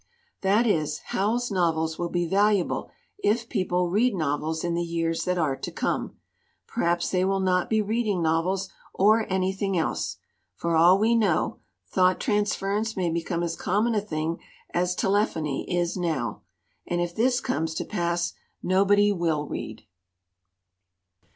"That is, Howells's novels will be valuable if people read novels in the years that are to come! Perhaps they will not be reading novels or any thing else. For all we know, thought transference may become as common a thing as telephony is now. And if this comes to pass nobody will read